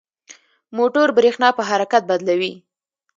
موټور برېښنا په حرکت بدلوي.